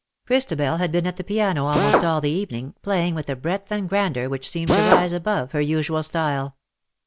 Christabel had been at the piano almost all the evening, playing with a breadth and grandeur which seemed to rise above her usual style.